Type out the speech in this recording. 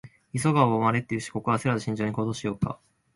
「急がば回れ」って言うし、ここは焦らず慎重に行動しようか。